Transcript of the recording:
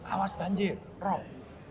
awas banjir wrong